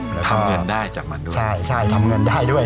ได้ง่ายขึ้นนะครับทำเงินได้จากมันด้วยใช่ใช่ทำเงินได้ด้วย